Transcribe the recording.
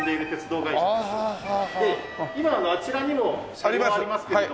で今あちらにも車両ありますけれども。